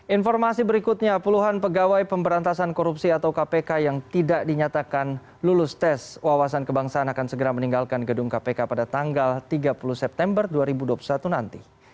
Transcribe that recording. informasi berikutnya puluhan pegawai pemberantasan korupsi atau kpk yang tidak dinyatakan lulus tes wawasan kebangsaan akan segera meninggalkan gedung kpk pada tanggal tiga puluh september dua ribu dua puluh satu nanti